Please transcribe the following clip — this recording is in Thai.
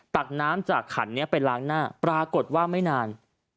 ตักน้ำจากขันนี้ไปล้างหน้าปรากฏว่าไม่นาน